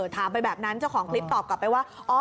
ถามไปแบบนั้นเจ้าของคลิปตอบกลับไปว่า